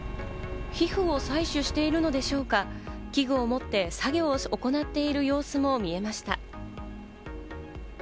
皮膚を採取しているのでしょうか、器具を持って作業を行っている様子も見えました。